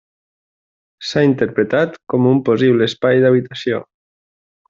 S'ha interpretat com un possible espai d'habitació.